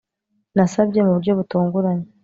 nasabye, mu buryo butunguranye